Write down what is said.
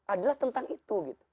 adalah tentang itu